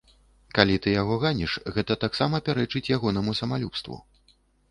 Калі ты яго ганіш, гэта таксама пярэчыць ягонаму самалюбству.